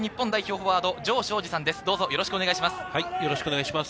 フォよろしくお願いします。